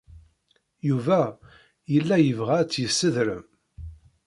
Yuba yella yebɣa ad tt-yessedrem.